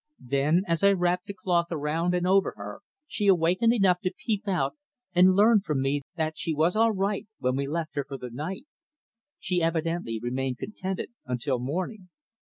Then, as I wrapped the cloth around and over her, she awakened enough to peep out and learn from me that she was all right, when we left her for the night. She evidently remained contented until morning."